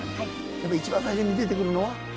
やっぱりいちばん最初に出てくるのは。